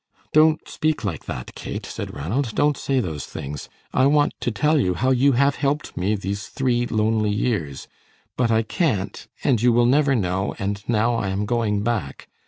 "Don't speak like that, Kate," said Ranald, "don't say those things. I want to tell you how you have helped me these three lonely years, but I can't, and you will never know, and now I am going back.